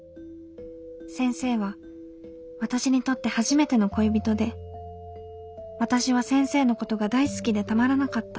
先生は私にとって初めての恋人で私は先生のことが大好きでたまらなかった。